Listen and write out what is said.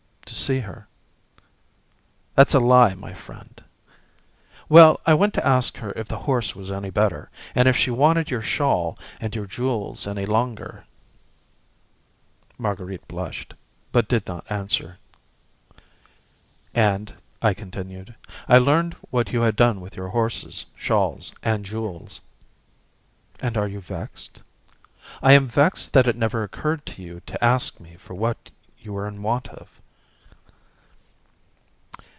"To see her." "That's a lie, my friend." "Well, I went to ask her if the horse was any better, and if she wanted your shawl and your jewels any longer." Marguerite blushed, but did not answer. "And," I continued, "I learned what you had done with your horses, shawls, and jewels." "And you are vexed?" "I am vexed that it never occurred to you to ask me for what you were in want of."